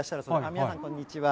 皆さん、こんにちは。